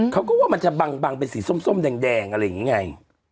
เขาก็ว่ามันจะบังเป็นสีส้มแดงอะไรอย่างนี้ไง